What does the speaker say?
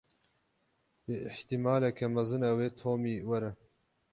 Bi îhtîmaleke mezin ew ê Tomî were.